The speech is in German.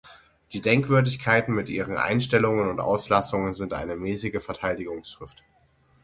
Die Denkwürdigkeiten mit ihren Entstellungen und Auslassungen sind eine mäßige Verteidigungsschrift.